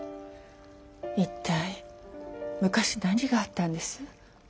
一体昔何があったんです？